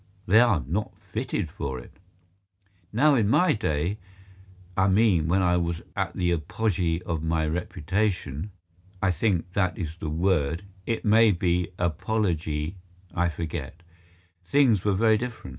They are not fitted for it. Now in my day—I mean when I was at the apogee of my reputation (I think that is the word—it may be apologee—I forget)—things were very different.